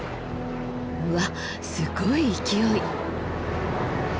うわすごい勢い。